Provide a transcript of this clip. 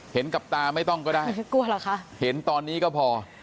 เห็นกับตาไม่ต้องก็ได้กลัวเหรอคะเห็นตอนนี้ก็พอ